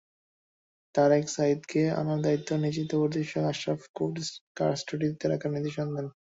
তারেক সাঈদকে আনার দায়িত্বে নিয়োজিত পরিদর্শক আশরাফকে কোর্ট কাস্টডিতে রাখার নির্দেশ দেন।